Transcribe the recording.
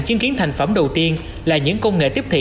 chứng kiến thành phẩm đầu tiên là những công nghệ tiếp thị